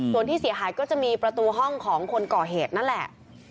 ส่วนที่เสียหายก็จะมีประตูห้องของคนก่อเหตุนั่นแหละ